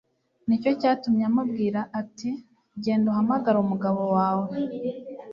Ni cyo cyatumye amubwira ati: "Genda uhamagare umugabo wawe,